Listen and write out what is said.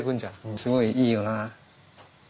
すごいいいよな。